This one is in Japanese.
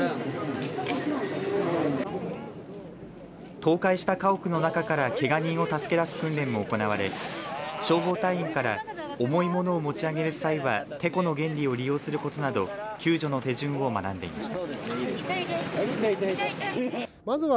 倒壊した家屋の中からけが人を助けだす訓練も行われ消防隊員から重い物を持ち上げる際はてこの原理を利用することなど救助の手順を学んでいました。